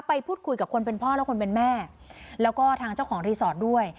ไปพูดคุยกับคนเป็นพ่อและคนเป็นแม่แล้วก็ทางเจ้าของรีสอร์ทด้วย